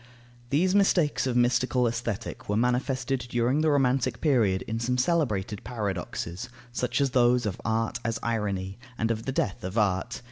These mistakes of mystical Aesthetic were manifested during the Romantic period in some celebrated paradoxes, such as those of art as irony and of the death of art.